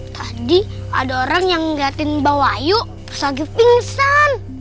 tadi ada orang yang liatin mbak wayu terus lagi pingsan